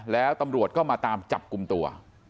แล้วตำรวจก็มาตามจับกลุ่มตัว